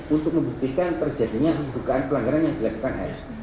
untuk membuktikan terjadinya kebukaan pelanggaran yang dilakukan f